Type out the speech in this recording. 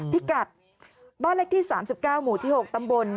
พิกัดบ้านเลขที่๓๙หมู่ที่๖ตำบล